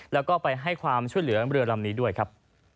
แล้วก็ไปให้ความช่วยเหลือเรือลำนี้ด้วยครับ